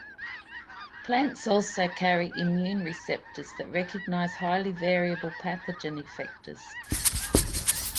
Plants also carry immune receptors that recognize highly variable pathogen effectors.